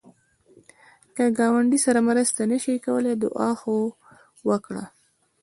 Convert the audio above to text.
که ګاونډي سره مرسته نشې کولای، دعا خو وکړه